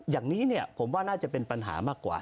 อย่างนี้ผมว่าน่าจะเป็นปัญหามากกว่า